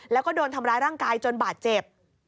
แล้วก็โดนทำร้ายร่างกายจนบาดเจ็บ